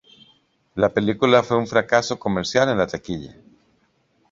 La película fue un fracaso comercial en la taquilla.